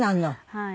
はい。